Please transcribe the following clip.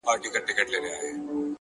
خه نو نور څوک به پښتانۀ پوهه کړي؟